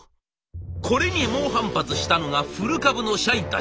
これに猛反発したのが古株の社員たち。